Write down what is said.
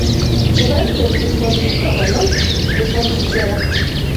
Je rêve quelquefois tout comme un autre, répondit Pierre.